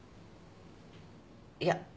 いや。